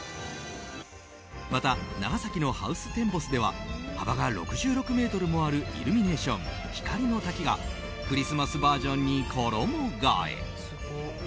また、長崎のハウステンボスでは幅が６６ｍもあるイルミネーション、光の滝がクリスマスバージョンに衣替え。